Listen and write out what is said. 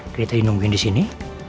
kita dinungguin disini